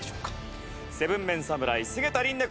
７ＭＥＮ侍菅田琳寧